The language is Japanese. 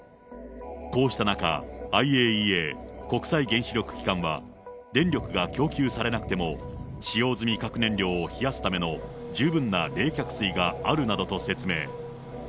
こうした中、ＩＡＥＡ・国際原子力機関は、電力が供給されなくても、使用済み核燃料を冷やすための十分な冷却水があるなどと説明。